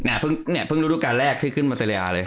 เนี่ยเพิ่งรู้รูปการแรกที่ขึ้นมาเซเลอร์หรือยัง